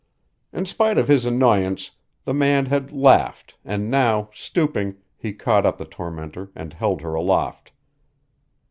In spite of his annoyance the man had laughed and now, stooping, he caught up the tormentor and held her aloft.